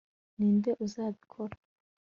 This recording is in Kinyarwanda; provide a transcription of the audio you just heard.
ninde uzabikora